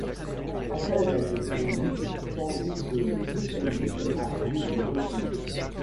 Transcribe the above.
La française a été promue tandis que le britannique a pris du recul.